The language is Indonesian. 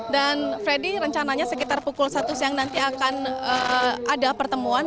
dan freddy rencananya sekitar pukul satu siang nanti akan ada pertemuan